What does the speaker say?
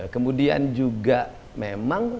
kemudian juga memang